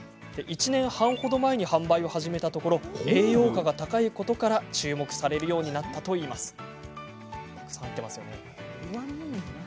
１年半ほど前に販売を始めたところ栄養価が高いことから注目されるようになったといいます。